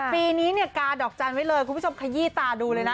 ปีนี้เนี่ยกาดอกจันทร์ไว้เลยคุณผู้ชมขยี้ตาดูเลยนะ